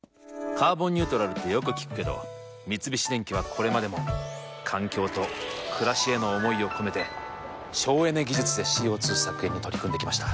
「カーボンニュートラル」ってよく聞くけど三菱電機はこれまでも環境と暮らしへの思いを込めて省エネ技術でＣＯ２削減に取り組んできました。